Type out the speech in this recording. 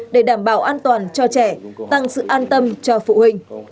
để đảm bảo an toàn cho trẻ tăng sự an tâm cho phụ huynh